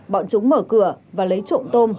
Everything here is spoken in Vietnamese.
bọn chúng mở cửa và lấy trộm tôm